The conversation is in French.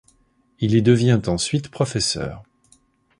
Il y devient ensuite professeur.